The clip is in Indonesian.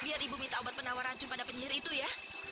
biar ibu minta obat penawar racun pada penyihir itu ya